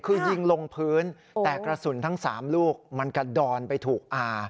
คือยิงลงพื้นแต่กระสุนทั้ง๓ลูกมันกระดอนไปถูกอา